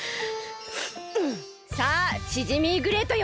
さあシジミーグレイトよ！